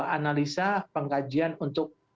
analisa pengkajian untuk